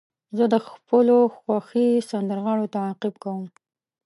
زه د خپلو خوښې سندرغاړو تعقیب کوم.